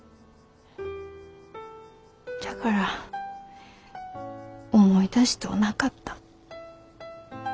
じゃから思い出しとうなかった。